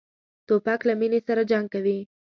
توپک له مینې سره جنګ کوي.